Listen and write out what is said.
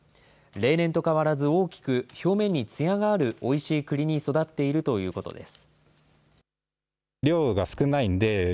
例年と変わらず大きく、表面につやがあるおいしいくりに育っているということです。